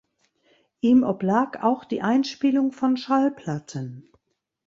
Ihm oblag auch die Einspielung von Schallplatten.